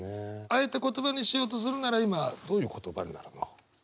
あえて言葉にしようとするなら今どういう言葉になるの？